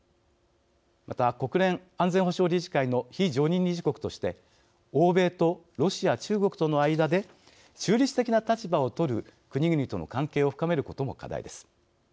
また、国連安全保障理事会の非常任理事国として、欧米とロシア、中国との間で中立的な立場を取る国々との関係を深めることも課題です。